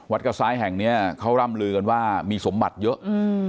กระซ้ายแห่งนี้เขาร่ำลือกันว่ามีสมบัติเยอะ